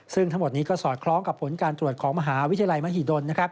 ซึ่งทั้งหมดนี้ก็สอดคล้องกับผลการตรวจของมหาวิทยาลัยมหิดล